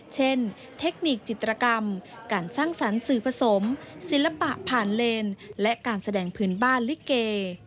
เทคนิคจิตรกรรมการสร้างสรรค์สื่อผสมศิลปะผ่านเลนและการแสดงพื้นบ้านลิเก